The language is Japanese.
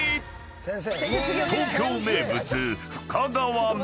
［東京名物］